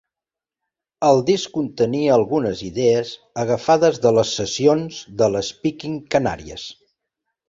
El disc contenia algunes idees agafades de les sessions dels Speaking Canaries.